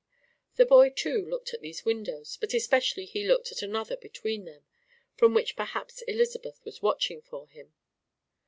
The boy, too, looked at these windows; but especially he looked at another between them, from which perhaps Elizabeth was watching for him.